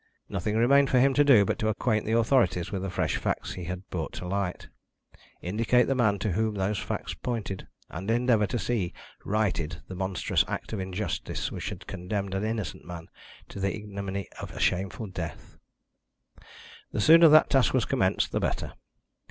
Nothing remained for him to do but to acquaint the authorities with the fresh facts he had brought to light, indicate the man to whom those facts pointed, and endeavour to see righted the monstrous act of injustice which had condemned an innocent man to the ignominy of a shameful death. The sooner that task was commenced the better.